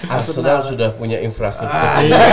arsenal sudah punya infrastruktur